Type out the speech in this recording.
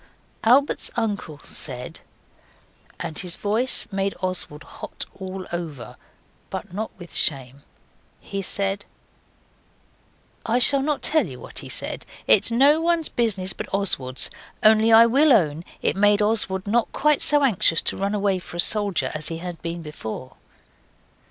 Albert's uncle said and his voice made Oswald hot all over, but not with shame he said I shall not tell you what he said. It is no one's business but Oswald's; only I will own it made Oswald not quite so anxious to run away for a soldier as he had been before.